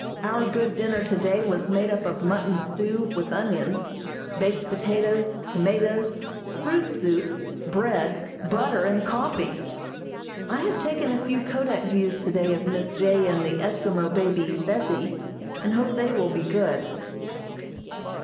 Our good dinner today was made up of mutton stew with onions, baked potatoes, tomatoes, fruit soup, bread, butter and coffee. I have taken a few kodak views today of Miss J. and the Eskimo baby, Bessie, and hope they will be good.